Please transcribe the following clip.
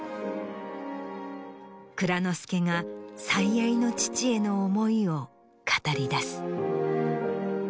蔵之介が最愛の父への思いを語り出す。